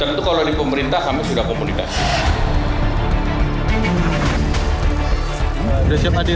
tentu kalau ini pemerintah kami sudah komunikasi